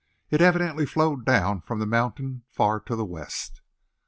It evidently flowed down from the mountain far to the west.